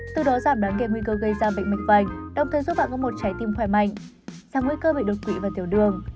từ đó giảm đáng kèm nguy cơ gây ra bệnh mệnh bệnh đồng thời giúp bạn có một trái tim khỏe mạnh giảm nguy cơ bị đột quỷ và tiểu đường